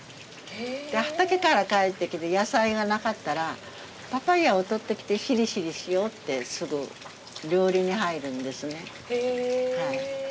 畑から帰ってきて野菜がなかったらパパイアをとってきてしりしりしようってすぐ料理に入るんですね。